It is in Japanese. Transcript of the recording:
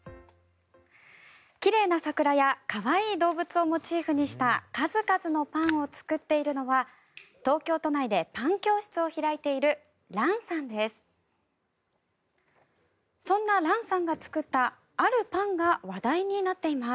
奇麗な桜や可愛い動物をモチーフにした数々のパンを作っているのは東京都内でパン教室を開いているＲａｎさんです。